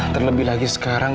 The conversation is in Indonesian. terlebih lagi sekarang